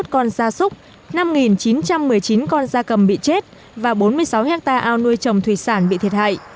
hai mươi con da súc năm chín trăm một mươi chín con da cầm bị chết và bốn mươi sáu hectare ao nuôi trồng thủy sản bị thiệt hại